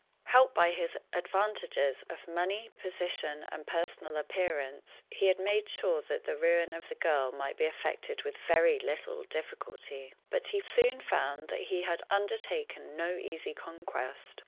Helped by his advantages of money, position, and personal appearance, he had made sure that the ruin of the girl might be effected with very little difficulty; but he soon found that he had undertaken no easy conquest.